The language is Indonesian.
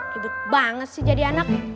hidup banget sih jadi anak